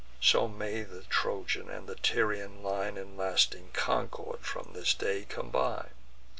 So may the Trojan and the Tyrian line In lasting concord from this day combine.